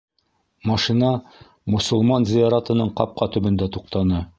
Машина мосолман зыяратының ҡапҡа төбөндә туҡтаны.